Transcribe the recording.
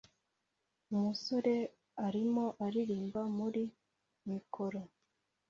Umusore arimo aririmba muri mikoro